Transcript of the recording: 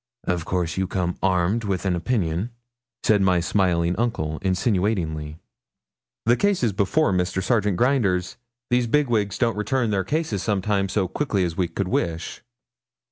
'Of course you come armed with an opinion?' said my smiling uncle, insinuatingly. 'The case is before Mr. Serjeant Grinders. These bigwigs don't return their cases sometimes so quickly as we could wish.'